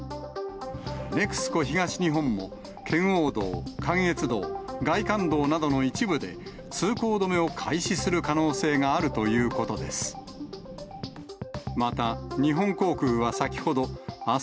ＮＥＸＣＯ東日本も、圏央道、関越道、外環道などの一部で、通行止めを開始する可能性があるということです。